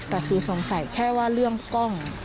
แต่คือสงสัยแค่ว่าเรื่องกล้อง